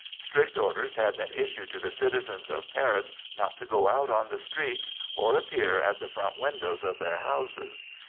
Strict orders had been issued to the citizens of Paris not to go out on the streets or appear at the front windows of their houses.